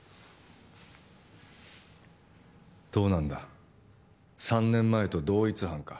どうなんだ３年前と同一犯か？